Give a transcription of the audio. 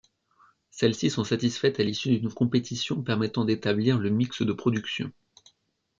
Celles-ci sont satisfaites à l’issue d’une compétition permettant d’établir le mix de production.